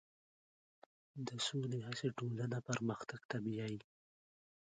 د سولې هڅې ټولنه پرمختګ ته بیایي.